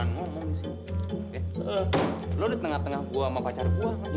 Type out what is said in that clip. eh lo di tengah tengah gua mau baca rebuan